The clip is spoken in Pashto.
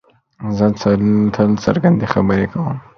زه تل څرګندې خبرې کوم.